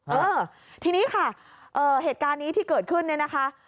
เออทีนี้ค่ะเหตุการณ์นี้ที่เกิดขึ้นเนี่ยนะคะ